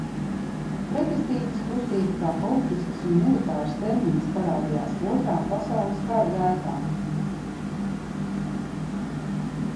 Pretestības kustība kā politisks un militārs termins parādījās Otrā pasaules kara gaitā.